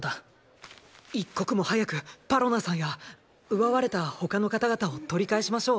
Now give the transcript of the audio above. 一刻も早くパロナさんや奪われた他の方々を取り返しましょう。